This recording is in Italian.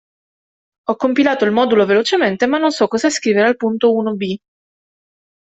Ho compilato il modulo velocemente, ma non so cosa scrivere al punto uno b.